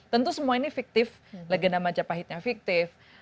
tentu semua ini fiktif legenda majapahitnya fiktif